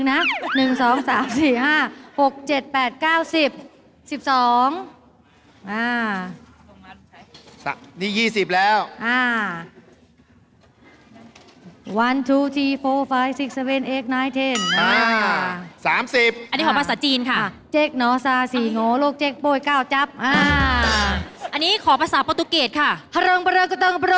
อันนี้อีกทีหนึ่งนะ